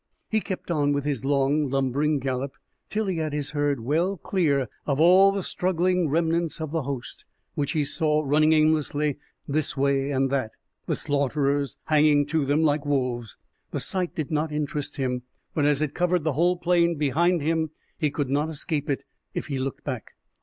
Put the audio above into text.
He kept on with his long, lumbering gallop, till he had his herd well clear of all the struggling remnants of the host, which he saw running aimlessly this way and that, the slaughterers hanging to them like wolves. The sight did not interest him, but, as it covered the whole plain behind him, he could not escape it if he looked back.